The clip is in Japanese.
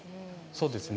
そうですね。